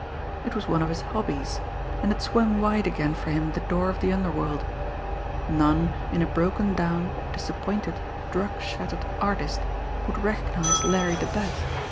It was one of his hobbies and it swung wide again for him the door of the underworld. None, in a broken down, disappointed, drug shattered artist, would recognise Larry the Bat!